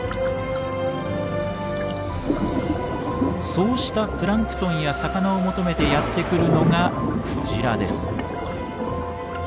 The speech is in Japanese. そうしたプランクトンや魚を求めてやって来るのがクジラです。